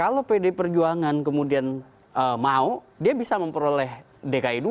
kalau pd perjuangan kemudian mau dia bisa memperoleh dki dua